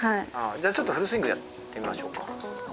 じゃあちょっとフルスイングやってみましょうか。